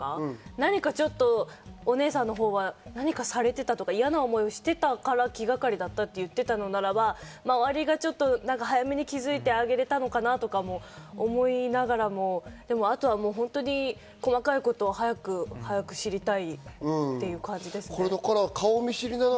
何かちょっと、お姉さんのほうは何かされていたとか、嫌な思いをしていたから気がかりだったと言っていたのならば、周りが早めに気づいてあげられたのかなとかも思いながら、でもあとは本当に細かいことを早く知りたい。